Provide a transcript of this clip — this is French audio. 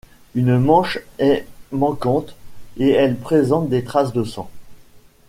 Une manche est manquante, et elle présente des traces de sang.